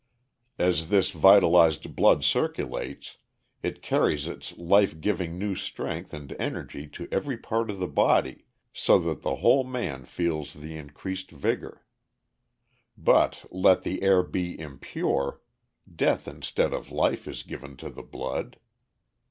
As this vitalized blood circulates, it carries its life giving new strength and energy to every part of the body, so that the whole man feels the increased vigor. But let the air be impure, death instead of life is given to the blood.